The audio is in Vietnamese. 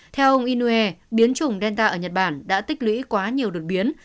theo ông inue biến chủng delta ở nhật bản đã tích lũy quá nhiều đột biến